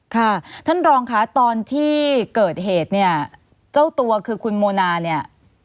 ค่ะท่านรองค่ะตอนที่เกิดเหตุเนี่ยเจ้าตัวคือคุณโมนาเนี่ย